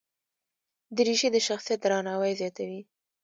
دریشي د شخصیت درناوی زیاتوي.